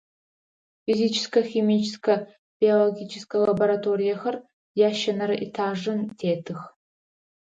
Физическэ, химическэ, биологическэ лабораториехэр ящэнэрэ этажым тетых.